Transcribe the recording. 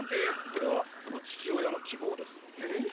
これはその父親の希望です。え？